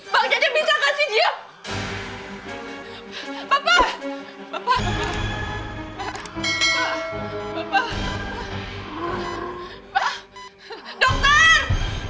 bang jajang bisa kasih jilat